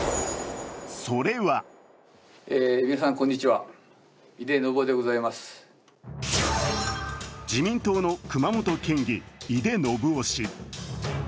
それは自民党の熊本県議、井手順雄氏。